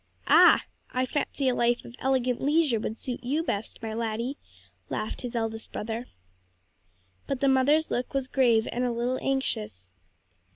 "Ah! I fancy a life of elegant leisure would suit you best, my laddie," laughed his eldest brother. But the mother's look was grave and a little anxious.